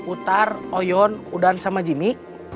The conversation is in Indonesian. utar oyon udan sama jimi